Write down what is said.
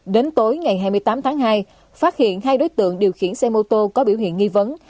đến tối ngày hai mươi tám tháng hai phát hiện hai đối tượng điều khiển xe mô tô có biểu hiện nghi vấn